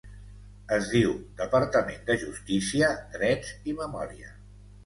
Es diu Departament de Justícia, Drets i Memòria